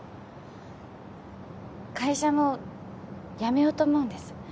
会社も辞めようと思うんです。